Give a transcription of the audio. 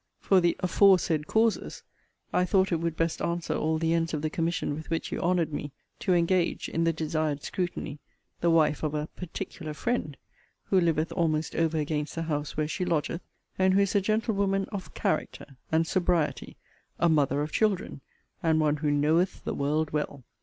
For the 'aforesaid causes,' I thought it would best answer all the ends of the commission with which you honoured me, to engage, in the desired scrutiny, the wife of a 'particular friend,' who liveth almost over against the house where she lodgeth, and who is a gentlewoman of 'character,' and 'sobriety,' a 'mother of children,' and one who 'knoweth' the 'world' well.